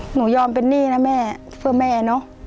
หนูยอมเป็นหนี้นะแม่เพื่อแม่เนอะ